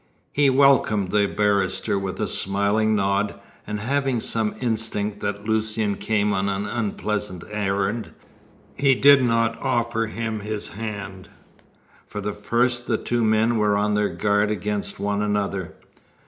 He welcomed the barrister with a smiling nod, and having some instinct that Lucian came on an unpleasant errand, he did not offer him his hand. From the first the two men were on their guard against one another.